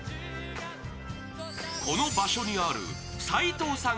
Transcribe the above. この場所にある齊藤さん